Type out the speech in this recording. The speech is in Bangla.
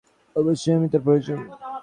অবশ্যই, আমি তার প্রয়োজন!